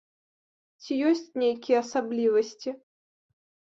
Ці ёсць нейкія асаблівасці?